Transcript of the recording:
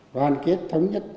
đoàn kết thống nhất